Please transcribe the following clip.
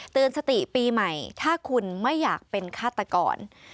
สติปีใหม่ถ้าคุณไม่อยากเป็นฆาตกร